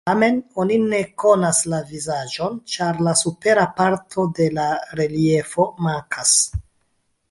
Tamen oni ne konas la vizaĝon, ĉar la supera parto de la reliefo mankas.